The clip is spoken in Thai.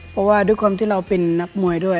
เพราะว่าด้วยความที่เราเป็นนักมวยด้วย